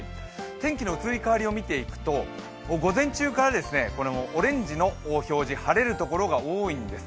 天気の移り変わりを見ていくと、午前中からオレンジの表示、晴れるところが多いんです。